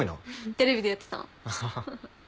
テレビでやってたの。